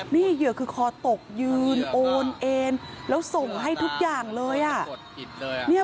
นี่เหยื่อคือคอตกยืนโอนเอนแล้วส่งให้ทุกอย่างเลย